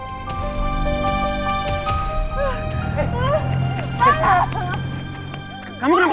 aku mau ngantri kamu ke dokter